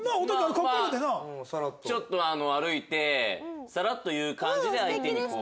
ちょっと歩いてサラッと言う感じで相手に。